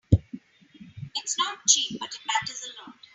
It's not cheap, but it matters a lot.